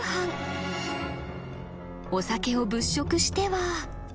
［お酒を物色しては］